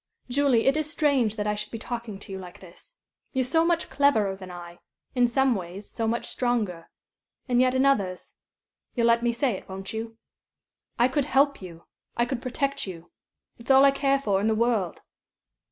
Julie, it is strange that I should be talking to you like this. You're so much cleverer than I in some ways, so much stronger. And yet, in others you'll let me say it, won't you? I could help you. I could protect you. It's all I care for in the world."